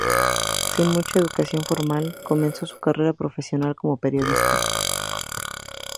Sin mucha educación formal, comenzó su carrera profesional como periodista.